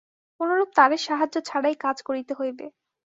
কোনরূপ তারের সাহায্য ছাড়াই কাজ করিতে হইবে।